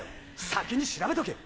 先に調べとけ！